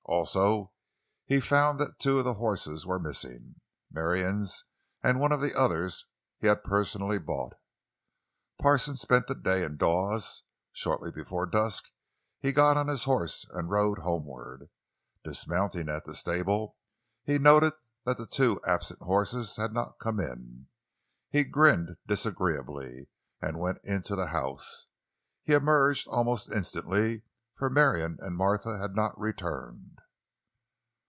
Also, he found that two of the horses were missing—Marion's, and one of the others he had personally bought. Parsons spent the day in Dawes. Shortly before dusk he got on his horse and rode homeward. Dismounting at the stable, he noted that the two absent horses had not come in. He grinned disagreeably and went into the house. He emerged almost instantly, for Marion and Martha had not returned.